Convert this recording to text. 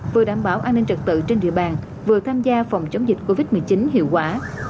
vừa đảm bảo an ninh trật tự trên địa bàn vừa tham gia phòng chống dịch covid một mươi chín hiệu quả